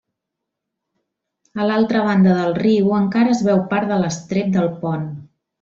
A l'altra banda del riu encara es veu part de l'estrep del pont.